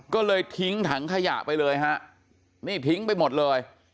ก็เลยทิ้งถังขยะไปเลยฮะนี่ทิ้งไปหมดเลย